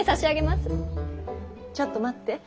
ちょっと待って。